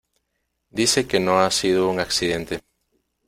Dice que no ha sido un accidente.